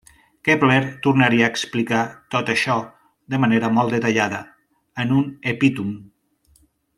Kepler tornaria a explicar tot això, de manera molt detallada, a un epítom.